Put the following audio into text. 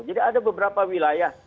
jadi ada beberapa wilayah